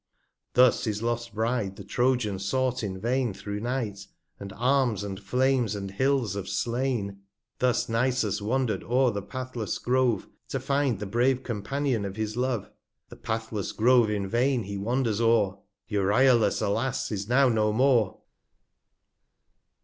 Thus his lost Bride the Trojan sought in vain 95 Through Night, and Arms, and Flames, and Hills of Slain. Thus Nisus wander'd o'er the pathless Grove, To find the brave Companion of his Love, The pathless Grove in vain he wanders o'er: Euryalus alas ! is now no more.